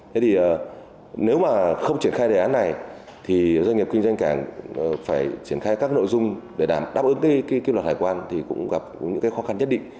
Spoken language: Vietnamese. thế thì nếu mà không triển khai đề án này thì doanh nghiệp kinh doanh cảng phải triển khai các nội dung để đảm đáp ứng cái luật hải quan thì cũng gặp những cái khó khăn nhất định